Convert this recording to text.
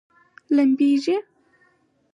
لمبیږي؟